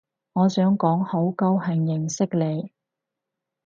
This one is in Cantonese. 我想講好高興認識你